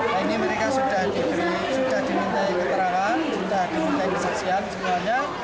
nah ini mereka sudah dimintai keterahan sudah dimintai kesaksian semuanya